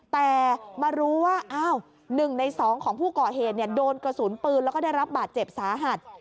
แต่มารู้ว่า๑ใน๒ของผู้ก่อเหตุโดนกระสุนปืนแล้วก็ได้รับบาดเจ็บสาหัส